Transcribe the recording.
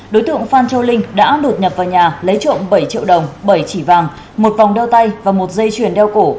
đối tượng phan châu linh đã đột nhập vào nhà lấy trộm bảy triệu đồng bảy chỉ vàng một vòng đeo tay và một dây chuyền đeo cổ